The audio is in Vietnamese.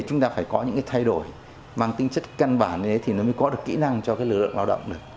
chúng ta phải có những cái thay đổi mang tinh chất căn bản như thế thì nó mới có được kỹ năng cho cái lực lượng lao động được